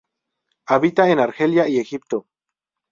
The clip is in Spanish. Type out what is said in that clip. Habita en Argelia y Egipto.